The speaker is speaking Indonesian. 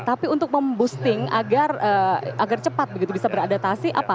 tapi untuk memboosting agar cepat begitu bisa beradaptasi apa